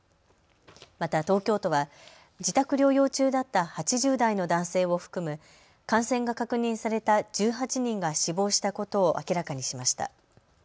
また東京都は自宅療養中だった８０代の男性を含む感染が確認された１８人が死亡したことを明らかにしました。